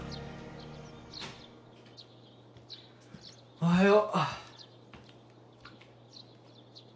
おはよう。